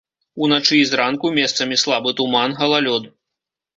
Уначы і зранку месцамі слабы туман, галалёд.